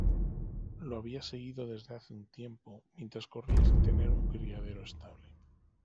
Lo había seguido desde hace un tiempo, mientras corría sin tener un criadero estable.